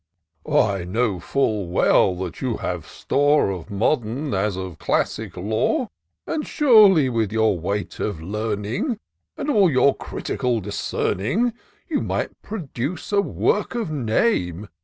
" I know fiill well that you have store Of modem as of classic lore ; And, surely, with your weight of learning. And all your critical discerning. You might produce a work of name.